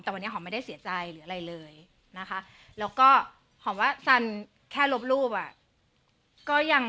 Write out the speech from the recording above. แต่วันนี้หอมไม่ได้เสียใจหรืออะไรเลยนะคะแล้วก็หอมว่าสันแค่ลบรูปอ่ะก็ยัง